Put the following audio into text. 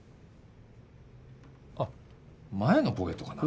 あっ前のポケットかな？